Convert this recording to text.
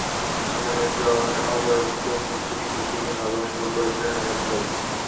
আগের ম্যাচের অপরাজিত সেঞ্চুরি থেকেই যেন আবার শুরু করেছিলেন অ্যালেক্স হেলস।